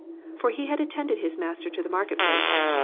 For he had attended his master to the market place.